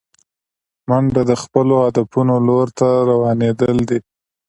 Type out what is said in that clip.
منډه د خپلو هدفونو لور ته روانېدل دي